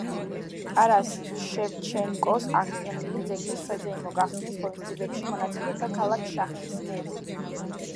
ტარას შევჩენკოს აღდგენილი ძეგლის საზეიმო გახსნის ღონისძიებებში მონაწილეობდა ქალაქ შახტის მერი.